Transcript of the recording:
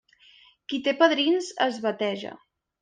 Qui té padrins, es bateja.